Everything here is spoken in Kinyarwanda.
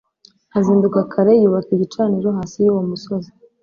azinduka kare yubaka igicaniro hasi y uwo musozi